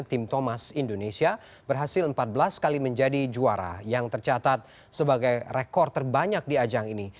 tim thomas indonesia berhasil empat belas kali menjadi juara yang tercatat sebagai rekor terbanyak di ajang ini